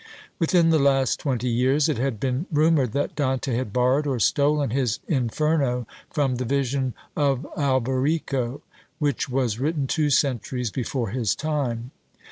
Within the last twenty years it had been rumoured that Dante had borrowed or stolen his Inferno from "The Vision of Alberico," which was written two centuries before his time.